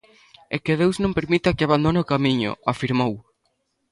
E que Deus non permita que abandone o camiño, afirmou.